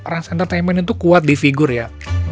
ranz entertainment itu kuat di figure ya